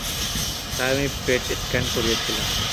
তাই আমি PET scan করিয়েছিলাম।